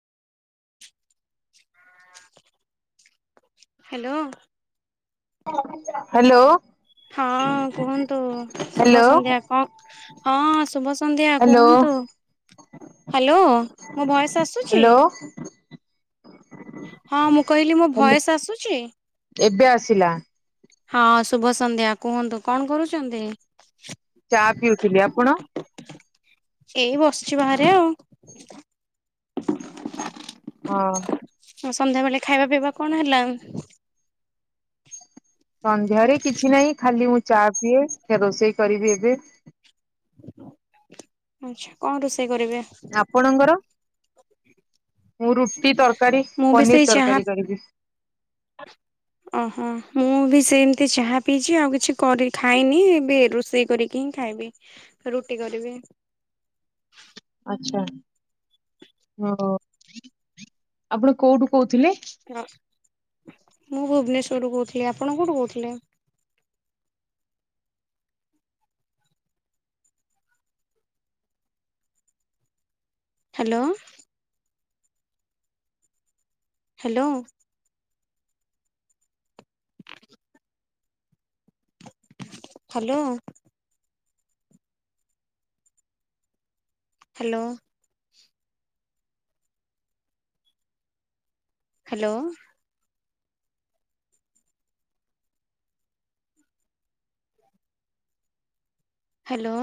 Hello. Hello. ହଁ କୁହନ୍ତୁ hello ଶୁଭ ସନ୍ଧ୍ୟା କଣ ହଁ ଶୁଭ। ସନ୍ଧ୍ୟା ହ୍ୟାଲୋ କୁହନ୍ତୁ ହ୍ୟାଲୋ ମୋ ଭଏସ ଆସୁଛି? ହ୍ୟାଲୋ ହଁ, ମୁଁ କହିଲି ମୋ ହ୍ୟାଲୋ ଭୟସ ଆସୁଛି? ଏବେ ଆସିଲା। ହଁ, ଶୁଭ ସନ୍ଧ୍ୟା କୁହନ୍ତୁ କଣ କରୁଛନ୍ତି? ଚା, ପିଉଥିଲି ଆପଣ? ଏଇ ବସିଛି ବାହାରେ ଆଉ। ହଁ। ସନ୍ଧ୍ୟାବେଳେ ଖାଇବା ପିଇବା କଣ ହେଲା? ସନ୍ଧ୍ୟାରେ କିଛି ନାହିଁ ଖାଲି ମୁଁ ଚା ପିଏ ରୋଷେଇ କରିବି ଏବେ। ଆଛା କଣ ରୋଷେଇ କରିବେ? ଆପଣଙ୍କର ମୁଁ ରୁଟି ତରକାରୀ ମୁଁ ବି ପନିର ସେଇ ଚାହା ତରକାରୀ କରିବି। ଓହୋ ମୁଁ ବି ସେମିତି ଚାହା ପିଇଚି, ଆଉ କିଛି କରି ଖାଇନି ଏବେ ରୋଷେଇ କରିକି ହିଁ ଖାଇବି। ବି ରୁଟି କରିବି। ଆଛା ହ ଆପଣ କୋଉଠୁ କହୁଥିଲେ? ହ ମୁଁ ଭୁବନେଶ୍ଵରରୁୁ କହୁଥିଲି, ଆପଣ କୋଉଠୁ କହୁଥିଲେ? [inaudible] Hello. Hello. [inaudible] Hello. Hello. Hello. Hello.